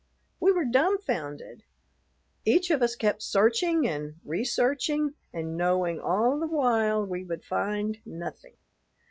We were dumbfounded. Each of us kept searching and researching and knowing all the while we would find nothing.